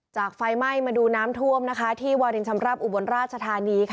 จากไฟไม่มาดูน้ำถอมที่วาลินชมภาพอุบลราชธานี